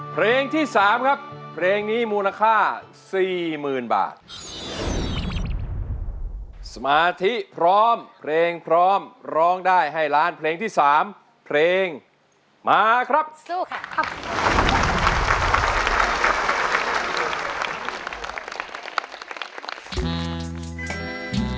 เพลงที่๓ครับเพลงนี้มูลค่า๔๐๐๐๐บาทสมาทิพร้อมเพลงพร้อมร้องได้ให้ล้านเพลงที่๓เพลงมาครับสู้ค่ะ